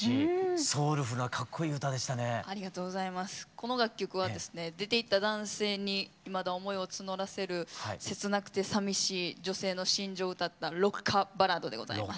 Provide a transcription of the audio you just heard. この楽曲はですね出ていった男性にいまだ思いを募らせる切なくてさみしい女性の心情を歌ったロッカバラードでございます。